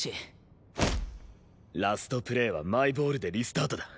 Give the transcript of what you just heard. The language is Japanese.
ラストプレーはマイボールでリスタートだ。